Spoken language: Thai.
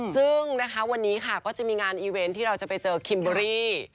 ซึ่งนะคะวันนี้ค่ะก็จะมีงานอีเวนต์ที่เราจะไปเจอคิมเบอรี่